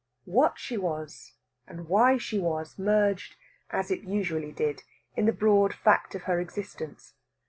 What she was, and why she was, merged, as it usually did, in the broad fact of her existence.